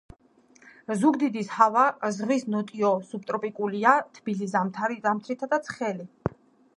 ზუგდიდის ჰავა ზღვის ნოტიო სუბტროპიკულია, თბილი ზამთრითა და ცხელი